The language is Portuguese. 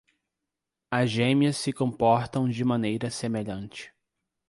As gêmeas se comportam de maneira semelhante